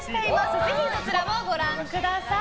ぜひそちらもご覧ください。